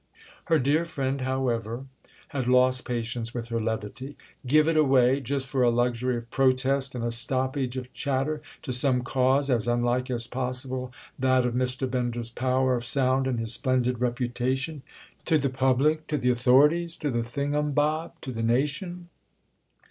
Her dear friend, however, had lost patience with her levity. "Give it away—just for a luxury of protest and a stoppage of chatter—to some cause as unlike as possible that of Mr. Bender's power of sound and his splendid reputation: to the Public, to the Authorities, to the Thingumbob, to the Nation!"